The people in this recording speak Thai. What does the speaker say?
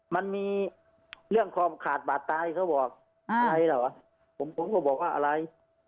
มันมีเรื่องความขาดบาดตายเขาบอกอะไรล่ะผมผมก็บอกว่าอะไร